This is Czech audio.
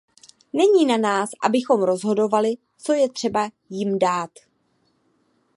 Není na nás, abychom rozhodovali, co je třeba jim dát.